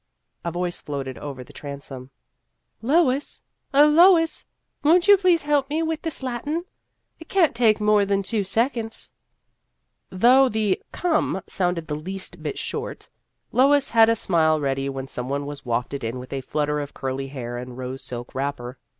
A voice floated over the transom :" Lois, oh, Lois ! won't you please help me with this Latin ? It can't take more than two seconds." 38 Vassar Studies Though the " Come" sounded the least bit short, Lois had a smile ready when some one was wafted in with a flutter of curly hair and rose silk wrapper.